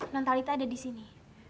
nontalita ada disini